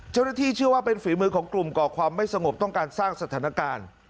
เชื่อว่าเป็นฝีมือของกลุ่มก่อความไม่สงบต้องการสร้างสถานการณ์